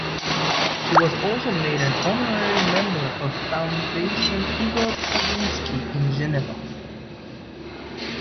He was also made an honorary member of Fondation Igor Stravinsky in Geneva.